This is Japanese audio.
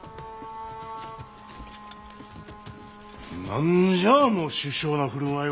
何じゃあの殊勝な振る舞いは。